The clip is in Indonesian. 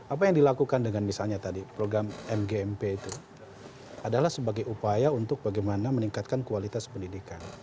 apa yang dilakukan dengan misalnya tadi program mgmp itu adalah sebagai upaya untuk bagaimana meningkatkan kualitas pendidikan